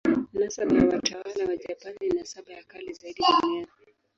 Nasaba ya watawala wa Japani ni nasaba ya kale zaidi duniani.